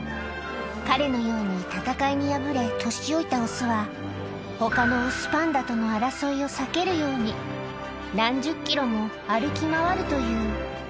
彼のように戦いに敗れ、年老いた雄は、ほかの雄パンダとの争いを避けるように、何十キロも歩き回るという。